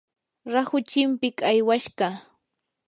rahu chimpiq aywashqa.